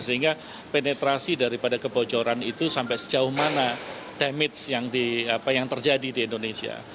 sehingga penetrasi daripada kebocoran itu sampai sejauh mana damage yang terjadi di indonesia